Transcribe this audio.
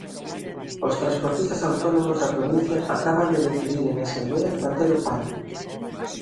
Os transportistas autónomos da provincia acaban de decidir en asemblea manter o paro.